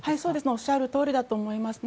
おっしゃるとおりだと思いますね。